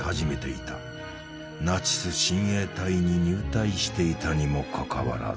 ナチス親衛隊に入隊していたにもかかわらず。